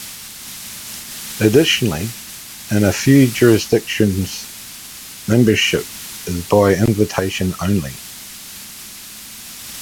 Additionally, in a few jurisdictions membership is by invitation only.